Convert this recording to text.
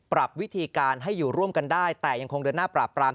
ปรับวิธีการให้อยู่ร่วมกันได้แต่ยังคงเดินหน้าปราบปราม